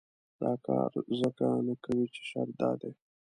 دا کار ځکه نه کوي چې شرط دا دی.